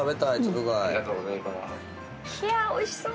ヒャおいしそう！